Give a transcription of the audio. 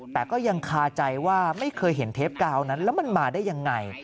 แต่ก็ยังคาใจว่าไม่เคยเห็นเทปกาวนั้นแล้วมันมาได้ยังไง